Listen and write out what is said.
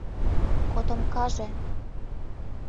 — Котомкамже?